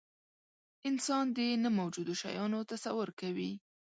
انسان د نه موجودو شیانو تصور کوي.